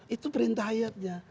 itu perintah hayatnya